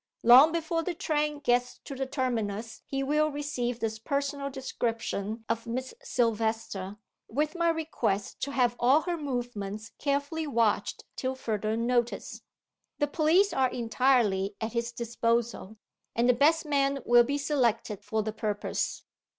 Long before the train gets to the terminus he will receive this personal description of Miss Silvester, with my request to have all her movements carefully watched till further notice. The police are entirely at his disposal; and the best men will be selected for the purpose.